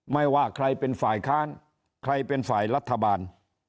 ไม่ว่าใครเป็นฝ่ายค้านใครเป็นฝ่ายรัฐบาล